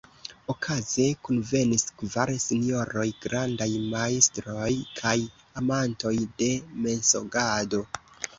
Okaze kunvenis kvar sinjoroj, grandaj majstroj kaj amantoj de mensogado.